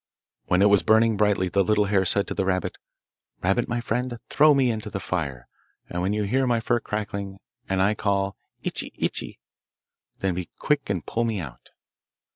When it was burning brightly the little hare said to the rabbit, 'Rabbit, my friend, throw me into the fire, and when you hear my fur crackling, and I call "Itchi, Itchi," then be quick and pull me out.